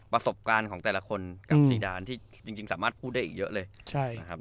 ประสบการณ์ของแต่ละคนกับซีดานที่จริงสามารถพูดได้อีกเยอะเลยนะครับ